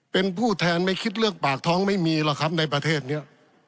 เป็นผู้แทนไม่คิดเรื่องปากท้องไม่มีหรอกครับในประเทศนี้